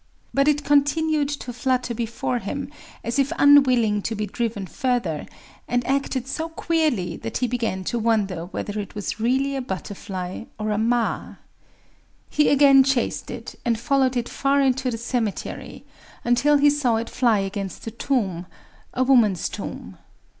But it continued to flutter before him as if unwilling to be driven further, and acted so queerly that he began to wonder whether it was really a butterfly, or a ma. He again chased it, and followed it far into the cemetery, until he saw it fly against a tomb,—a woman's tomb.